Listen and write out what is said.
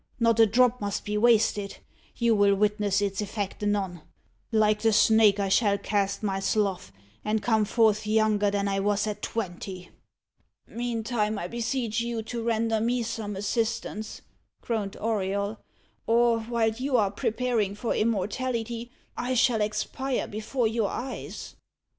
"Not a drop must be wasted. You will witness its effect anon. Like the snake, I shall cast my slough, and come forth younger than I was at twenty." "Meantime, I beseech you to render me some assistance," groaned Auriol, "or, while you are preparing for immortality, I shall expire before your eyes."